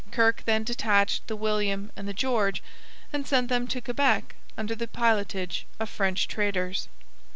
Kirke then detached the William and the George and sent them to Quebec under the pilotage of French traitors.